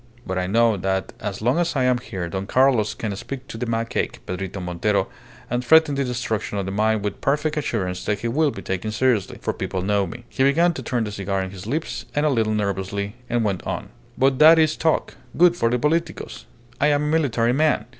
But I know that as long as I am here Don Carlos can speak to that macaque, Pedrito Montero, and threaten the destruction of the mine with perfect assurance that he will be taken seriously. For people know me." He began to turn the cigar in his lips a little nervously, and went on "But that is talk good for the politicos. I am a military man.